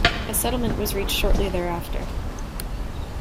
A settlement was reached shortly thereafter.